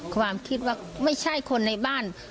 ความคิดว่าไม่ใช่คนในบ้าน